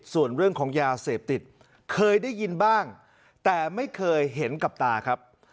ส่วนเรื่องของยาเสพติดเคยได้ยินบ้างแต่ไม่เคยเห็นกับตาครับ